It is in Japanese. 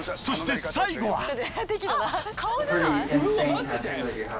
そして最後は。